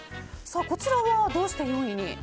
こちらはどうして４位に。